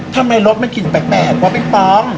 ทำไมรถไม่กลิ่นแปลกว้าวพี่ป๊อง